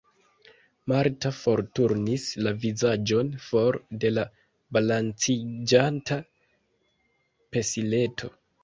Marta forturnis la vizaĝon for de la balanciĝanta pesileto.